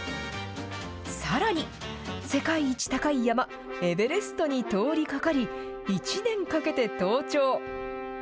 さらに、世界一高い山、エベレストに通りかかり、１年かけて登頂。